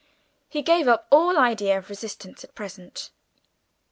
He gave up all idea of resistance at present.